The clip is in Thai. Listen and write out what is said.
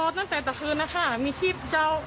นึงคนสองคนสามคนสี่คนนะค่ะ